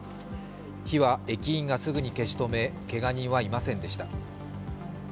火は駅員がすぐに消し止めけが人はいませんでした。